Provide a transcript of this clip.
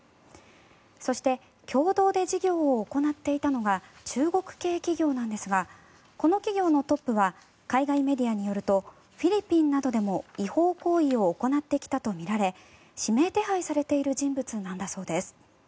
そして共同で事業を行っていたのが中国系企業なんですがこの企業のトップは海外メディアによるとフィリピンなどでも違法行為を行ってきたとみられ指名手配されている人物なんだそうです。